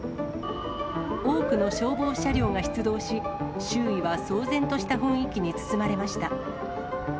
多くの消防車両が出動し、周囲は騒然とした雰囲気に包まれました。